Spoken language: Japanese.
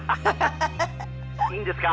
いいんですか？